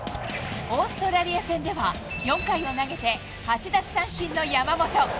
オーストラリア戦では、４回を投げて８奪三振の山本。